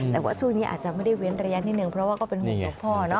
แต่ว่าช่วงนี้อาจจะไม่ได้เว้นระยะนิดนึงเพราะว่าก็เป็นห่วงพ่อเนาะ